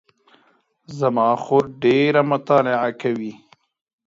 زما خور ډېره مطالعه کوي